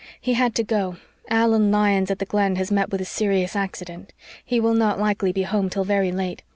"He had to go Allan Lyons at the Glen has met with a serious accident. He will not likely be home till very late.